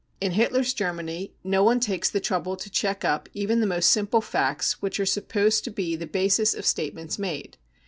In Hitler's Germany no one takes the trouble to check up even the most simple facts which are supposed to be the basis of statements made.